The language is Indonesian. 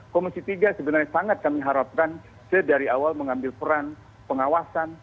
komisi tiga sebenarnya sangat kami harapkan sedari awal mengambil peran pengawasan